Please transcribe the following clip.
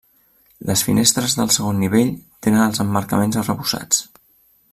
Les finestres del segon nivell tenen els emmarcaments arrebossats.